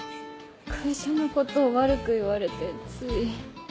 会社のことを悪く言われてつい。